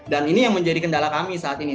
dan ini yang menjadi kendala kami saat ini